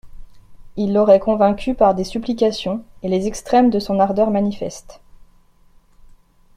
Il l'aurait convaincue par des supplications et les extrêmes de son ardeur manifeste.